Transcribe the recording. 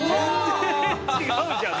全然違うじゃん。